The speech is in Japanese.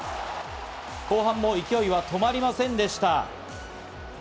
後半も勢いは止まりませんでした。